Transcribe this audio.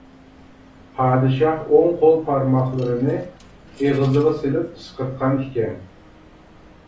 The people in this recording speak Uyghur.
پادىشاھ ئوڭ قول بارماقلىرىنى ئېغىزىغا سېلىپ ئىسقىرتقان ئىكەن.